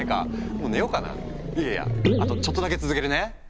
いやいやあとちょっとだけ続けるね。